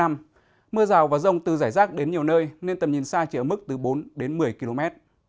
mưa rào và rông từ giải rác đến nhiều nơi nên tầm nhìn xa chỉ ở mức từ bốn đến một mươi km